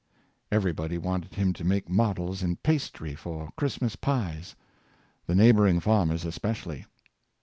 Everybody wanted him to make models in pastry for Christmas pies — the neighboring farmers especially.